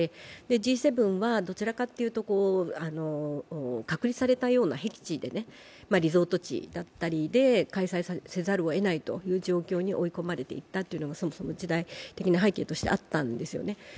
Ｇ７はどちらかというと、隔離されたようなへき地でリゾート地だったりで開催せざるをえない状況に追い込まれていったのがそもそも時代的な背景としてあったんですよね。